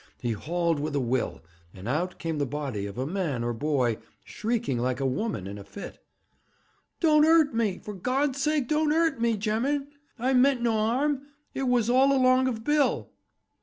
He hauled with a will, and out came the body of a man or boy, shrieking like a woman in a fit. 'Don't 'urt me! for God's sake, don't 'urt me, gemmen! I meant no 'arm. It was all along of Bill.'